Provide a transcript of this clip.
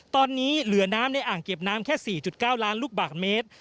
ตอนนี้เหลือน้ำในอ่างเก็บน้ำแค่๔๙ล้านลูกบาทเมตร